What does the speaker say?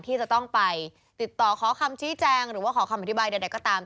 ที่จะต้องไปติดต่อขอคำชี้แจงหรือว่าขอคำอธิบายใดก็ตาม